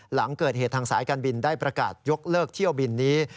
หลังเกิดเหตุทางสายการบินได้ประกาศยกเลิกเที่ยวบินนี้